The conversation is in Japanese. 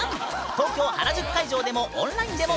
東京・原宿会場でもオンラインでも観覧できるぬん。